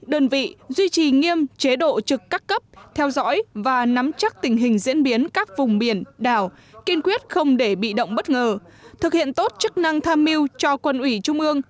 đơn vị duy trì nghiêm chế độ trực các cấp theo dõi và nắm chắc tình hình diễn biến các vùng biển đảo kiên quyết không để bị động bất ngờ thực hiện tốt chức năng tham mưu cho quân ủy trung ương